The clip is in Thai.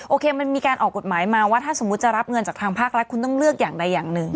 โอเคมันมีการออกกฎหมายมาว่าถ้าสมมุติจะรับเงินจากทางภาครัฐคุณต้องเลือกอย่างใดอย่างหนึ่ง